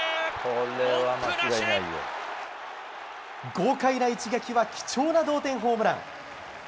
豪快な一撃は貴重な同点ホームラン！